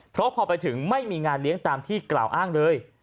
เพราะพอไปถึงไม่มีงานเลี้ยงตามที่กล่าวอ้างเลย